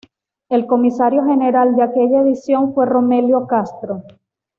El comisario general de aquella edición fue Romelio Castro.